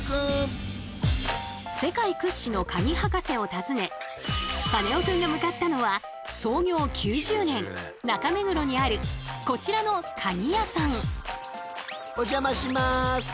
世界屈指のカギ博士を訪ねカネオくんが向かったのは創業９０年中目黒にあるこちらのカギ屋さん。